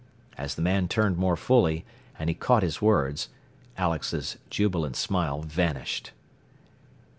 As the man turned more fully, and he caught his words, Alex's jubilant smile vanished.